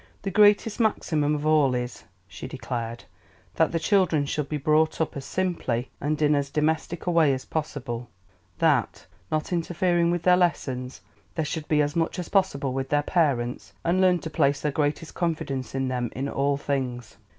"The greatest maxim of all is," she declared, "that the children should be brought up as simply, and in as domestic a way as possible; that (not interfering with their lessons) they should be as much as possible with their parents, and learn to place their greatest confidence in them in all things."